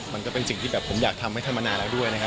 มันก็เป็นสิ่งที่แบบผมอยากทำให้ท่านมานานแล้วด้วยนะครับ